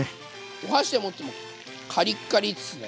お箸で持ってもカリカリですね。